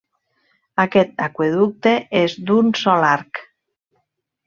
Aquest aqüeducte és d'un sol arc.